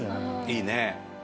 いいね。